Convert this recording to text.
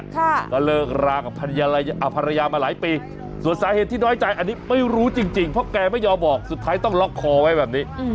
ก็เลิกรากับภรรยามาหลายปีส่วนสาเหตุที่น้อยใจอันนี้ไม่รู้จริงจริงเพราะแกไม่ยอมบอกสุดท้ายต้องล็อกคอไว้แบบนี้